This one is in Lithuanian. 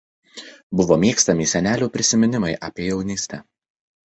Buvo mėgstami senelių prisiminimai apie jaunystę.